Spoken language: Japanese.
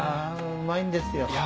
うまいんですよ。